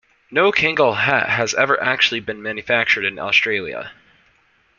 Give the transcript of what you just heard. No Kangol hat has ever actually been manufactured in Australia.